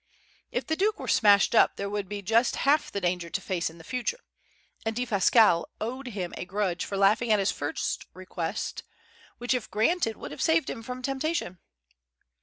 If the Duke were "smashed up" there would be just half the danger to face in future; and Defasquelle owed him a grudge for laughing at his first request which, if granted, would have saved him from temptation.